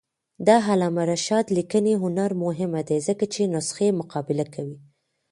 د علامه رشاد لیکنی هنر مهم دی ځکه چې نسخې مقابله کوي.